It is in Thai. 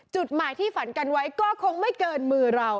จุดหมายที่ฝันกันไว้ก็คงไม่เกินมือเรา